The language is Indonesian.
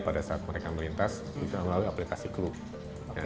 pada saat mereka melintas bisa melalui aplikasi group